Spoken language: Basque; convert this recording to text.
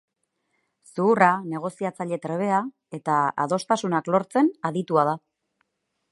Zuhurra, negoziatzaile trebea eta adostasunak lortzen aditua da.